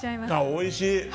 おいしい。